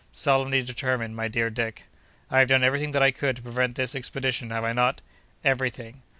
"Solemnly determined, my dear Dick." "I have done every thing that I could to prevent this expedition, have I not?" "Every thing!"